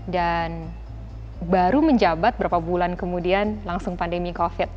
dan baru menjabat beberapa bulan kemudian langsung pandemi covid